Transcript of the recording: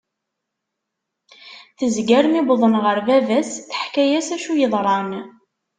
Tezger mi wḍen ɣer baba-s teḥka-as acu yeḍran.